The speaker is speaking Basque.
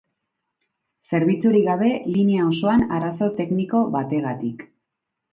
Zerbitzurik gabe linea osoan arazo tekniko bategatik.